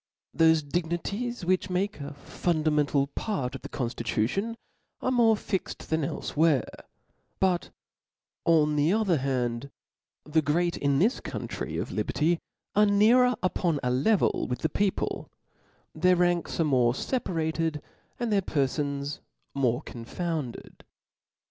Thofe dignities which make a fundamental part of the conftitution are more fixed than elfewhere ; but, on the other h^nd, the great in this country of liberty, are nearer upon a level with the people ; their ranks are more feparated, and their perfons more confounded.